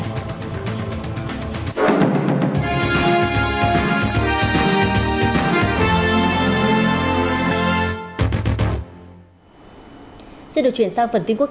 trong phần tiếp theo của bản tin các nước ả rập có thể đệ trình lên hội đồng bảo an liên hợp quốc